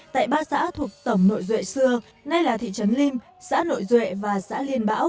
tại ba xã thuộc tổng nội duệ xưa nay là thị trấn lim xã nội duệ và xã liên bão